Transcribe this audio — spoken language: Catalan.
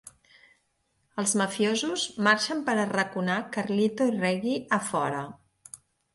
Els mafiosos marxen per arraconar Carlito i Reggie a fora.